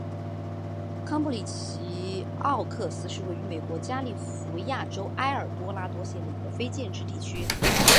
康布里奇奥克斯是位于美国加利福尼亚州埃尔多拉多县的一个非建制地区。